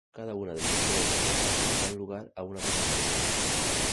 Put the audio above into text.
Cada una de las ocho letras por fase dan lugar a una contraseña.